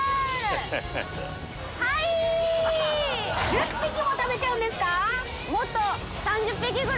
１０匹も食べちゃうんですか？